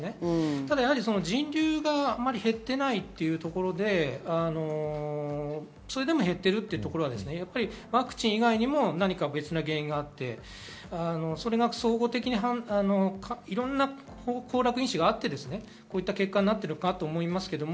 ただ、人流が減っていないというところで、それでも減っているというところはワクチン以外にも何か別な原因があって総合的にいろんな交絡因子があって、こういった結果になっていると思います。